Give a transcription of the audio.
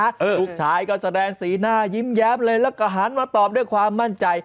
ลูกชายก็แสดงสีหน้ายิ้มแย้มเลยแล้วก็หันมาตอบด้วยความมั่นใจ